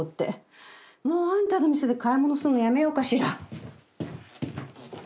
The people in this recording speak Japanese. もうあんたの店で買い物するのやめようかしら。